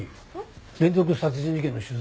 連続殺人事件の取材？